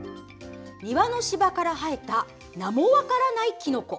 庭の芝から生えた名も分からないきのこ。